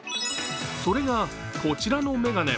それが、こちらの眼鏡。